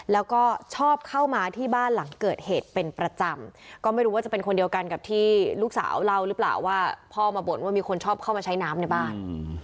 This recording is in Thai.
แล้วก็ชอบเข้ามาที่บ้านหลังเกิดเหตุเป็นประจำก็ไม่รู้ว่าจะเป็นคนเดียวกันกับที่ลูกสาวเล่าหรือเปล่าว่าพ่อมาบ่นว่ามีคนชอบเข้ามาใช้น้ำในบ้าน